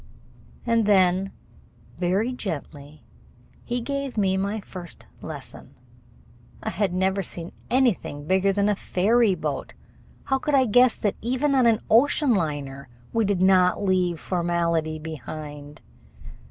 And then very gently he gave me my first lesson. I had never seen anything bigger than a ferry boat. How could I guess that even on an ocean liner we did not leave formality behind?